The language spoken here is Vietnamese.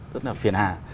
rất là phiền hà